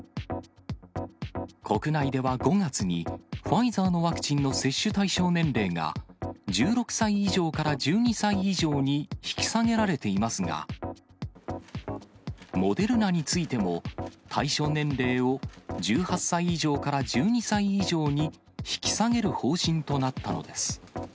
国内では５月に、ファイザーのワクチンの接種対象年齢が１６歳以上から１２歳以上に引き下げられていますが、モデルナについても、対象年齢を１８歳以上から１２歳以上に引き下げる方針となったのです。